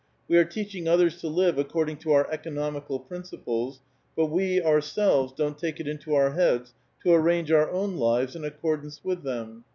We xe teaching others to live according to our economical prin iples, but we, ourselves, don't take it into our heads to :n'aiige our own lives in accordance with them.